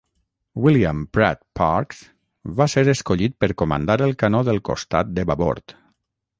William Pratt Parks va ser escollit per comandar el canó del costat de babord.